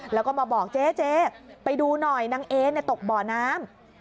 แล้วก็มาบอกเจ๊ไปดูหน่อยนางเอตกบ่อน้ำ